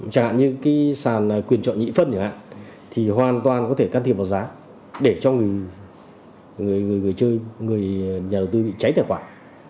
chẳng hạn như cái sàn quyền chọn nhĩ phân thì hoàn toàn có thể can thiệp vào giá để cho người nhà đầu tư bị cháy tài khoản